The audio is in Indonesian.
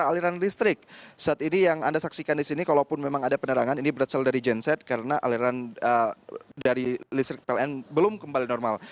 aliran listrik saat ini yang anda saksikan di sini kalaupun memang ada penerangan ini berasal dari genset karena aliran dari listrik pln belum kembali normal